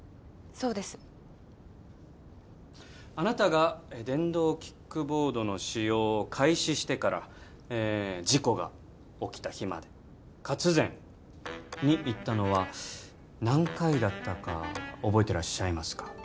そうですあなたが電動キックボードの使用を開始してからええ事故が起きた日までカツゼンに行ったのは何回だったか覚えてらっしゃいますか？